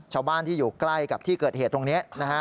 ชาวบ้านที่อยู่ใกล้กับที่เกิดเหตุตรงนี้นะฮะ